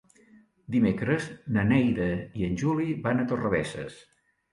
Dimecres na Neida i en Juli van a Torrebesses.